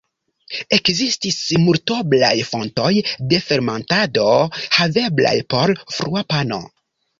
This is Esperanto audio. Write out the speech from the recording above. Ekzistis multoblaj fontoj de fermentado haveblaj por frua pano.